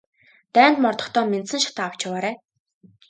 Дайнд мордохдоо мяндсан шатаа авч яваарай.